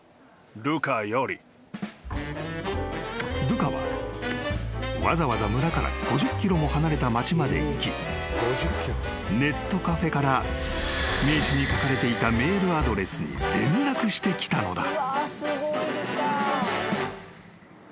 ［ルカはわざわざ村から５０ｋｍも離れた町まで行きネットカフェから名刺に書かれていたメールアドレスに連絡してきたのだ］